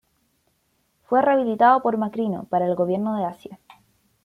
Fue rehabilitado por Macrino para el gobierno de Asia.